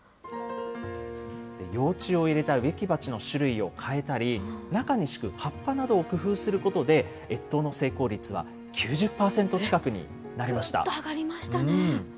幼虫を入れた植木鉢の種類を変えたり、中に敷く葉っぱなどを工夫することで、越冬の成功率は９０％近くになりました。